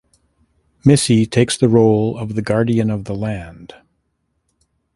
Missy takes the role of the guardian of the land.